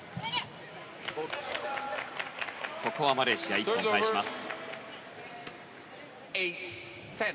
ここはマレーシア、返します。